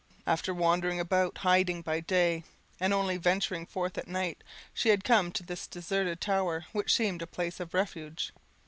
After wandering about, hiding by day, and only venturing forth at night, she had come to this deserted tower, which seemed a place of refuge.